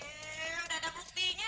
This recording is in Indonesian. iya udah ada mustinya